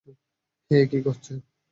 হেই, কী হচ্ছে?